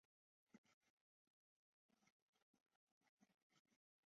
中央轨道在此站以南汇入两条外侧轨道。